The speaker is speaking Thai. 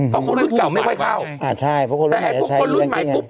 เพราะคนรุ่นเก่าไม่ค่อยเข้าอ่าใช่เพราะคนรุ่นใหม่จะใช้เงินไกลไง